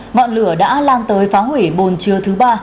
ngọn lửa đã lan tới phá hủy bồn chứa thứ ba